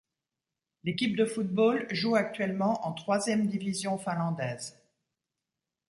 L'équipe de football joue actuellement en troisième division finlandaise.